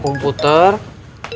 apa yang dijadikan